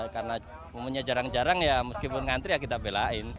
karena momennya jarang jarang ya meskipun ngantri ya kita belain